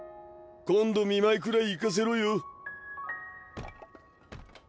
今度見舞いくらい行かせろよ。